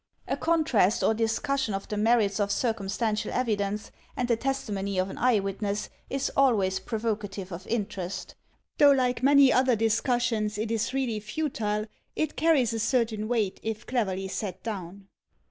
A contrast or discussion of the merits of circumstantial evidence and the testimony of an eye witness is always pro vocative of interest. Though like many other discussions it is really futile, it carries a certain weight if cleverly set down.